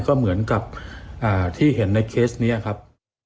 ก็เหมือนกับที่เห็นในเคสนี้ครับ